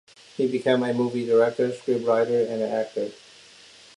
He became a movie director, scriptwriter and actor.